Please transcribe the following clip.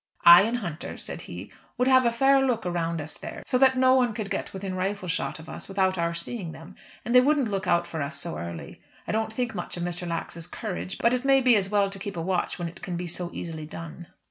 "I and Hunter," said he, "would have a fair look out around us there, so that no one could get within rifle shot of us without our seeing them, and they won't look out for us so early. I don't think much of Mr. Lax's courage, but it may be as well to keep a watch when it can be so easily done."